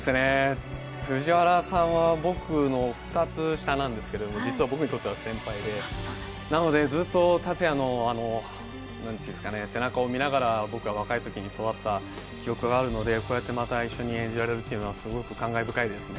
藤原さんは僕の２つ下なんですけど実は僕にとっては先輩で、なので、ずっと竜也の背中を見ながら僕は若いときに育った記憶があるので、こうやってまた一緒に演じられるのは感慨深いですね。